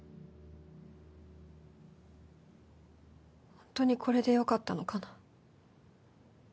本当にこれで良かったのかな。